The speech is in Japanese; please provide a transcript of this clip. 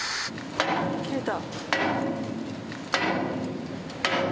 切れた。